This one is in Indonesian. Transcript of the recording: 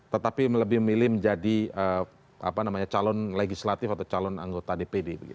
tetapi lebih memilih menjadi calon legislatif atau calon anggota dpd